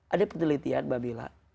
ada penelitian mbak mila